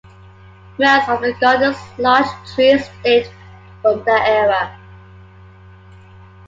Most of the Garden's large trees date from that era.